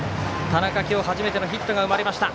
田中、今日初めてのヒットが生まれました。